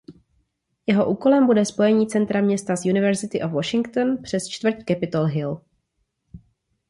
Jeho úkolem bude spojení centra města s University of Washington přes čtvrť Capitol Hill.